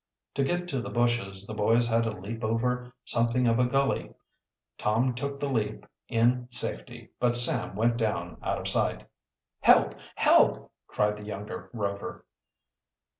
To get to the bushes the boys had to leap over something of a gully. Tom took the leap in safety, but Sam went down out of sight. "Help! help!" cried the youngest Rover.